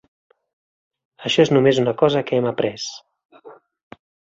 Això és només una cosa que hem après.